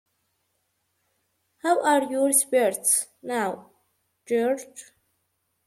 How are your spirits now, George?